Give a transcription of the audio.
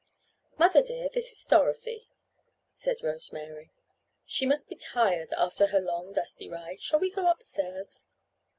"Mother, dear, this is Dorothy," said Rose Mary. "She must be tired after her long, dusty ride. Shall we go upstairs?"